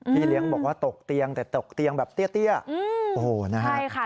เลี้ยงบอกว่าตกเตียงแต่ตกเตียงแบบเตี้ยโอ้โหนะฮะ